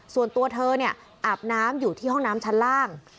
ส่วนตัวเธอเนี่ยอาบน้ำอยู่ที่ห้องน้ำชั้นล่าง